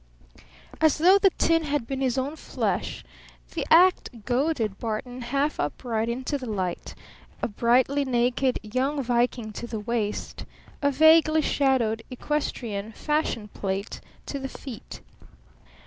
As though the tin had been his own flesh the act goaded Barton half upright into the light a brightly naked young Viking to the waist, a vaguely shadowed equestrian Fashion Plate to the feet.